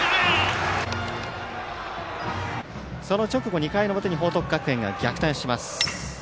その直後、２回の表に報徳学園が逆転します。